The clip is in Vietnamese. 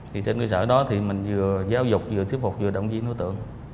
thì trên cơ sở đó thì mình vừa giáo dục vừa thuyết phục vừa động viên đối tượng